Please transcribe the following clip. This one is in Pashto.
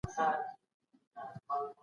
مار 🐍